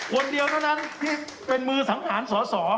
คนเดียวก็นั้นเป็นมือสังหารสอ